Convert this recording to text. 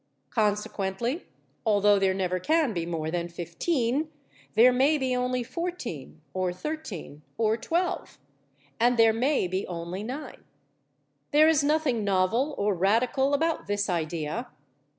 Consequently, although there never can be more than fifteen, there may be only fourteen, or thirteen, or twelve. And there may be only nine. There is nothing novel or radical about this idea.